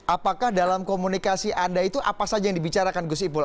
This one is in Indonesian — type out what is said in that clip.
apakah dalam komunikasi anda itu apa saja yang dibicarakan gus ipul